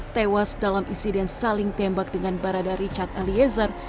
tewas dalam insiden saling tembak dengan barada richard eliezer